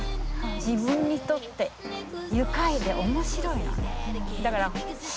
自分にとって愉快で面白いの。